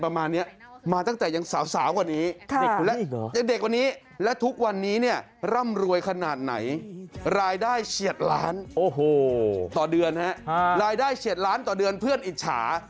ร่ำรวยขนาดไหนรายได้เฉียดล้านต่อเดือนเพื่อนอิจฉา